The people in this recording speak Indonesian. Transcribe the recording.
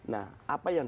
nah apa yang